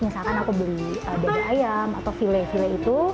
misalkan aku beli dada ayam atau file file itu